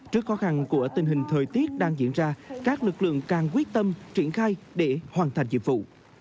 trước khó khăn của tình hình thời tiết đang diễn ra các lực lượng càng quyết tâm triển khai để hoàn thành nhiệm vụ